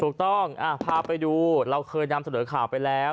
ถูกต้องพาไปดูเราเคยนำเสนอข่าวไปแล้ว